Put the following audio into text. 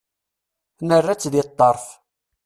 Nerra-tt deg ṭṭerf.